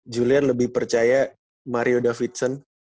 julian lebih percaya mario davidson